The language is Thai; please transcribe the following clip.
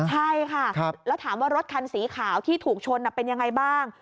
ใช่ค่ะแล้วถามว่ารถคันสีขาวที่ถูกชนเป็นยังไงบ้าง